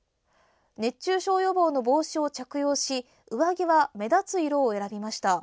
熱中症予防の帽子を着用し上着は目立つ色を選びました。